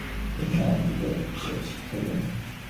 আমাদের প্রকৃত স্বরূপ কি, তাহা তিনি আমাদিগকে শিক্ষা দেন।